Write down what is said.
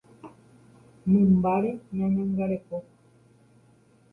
Mymbáre ñeñangareko.